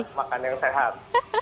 banyak makan yang sehat